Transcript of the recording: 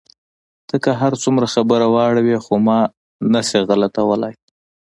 ته که هر څومره خبره واړوې، خو ما نه شې غلتولای.